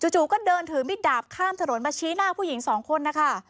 จู่ก็เดินถือมิดดาบข้ามถนนมาชี้หน้าผู้หญิงสองคนนะคะ